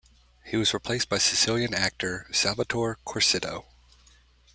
He was replaced by Sicilian actor Salvatore Corsitto.